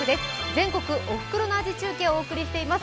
全国のお袋の味中継をお送りしています。